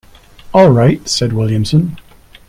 "All right," said Williamson.